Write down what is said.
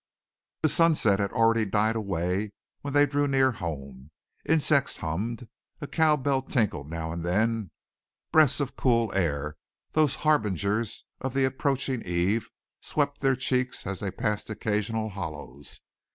The sunset had already died away when they drew near home. Insects hummed, a cow bell tinkled now and then; breaths of cool air, those harbingers of the approaching eve, swept their cheeks as they passed occasional hollows.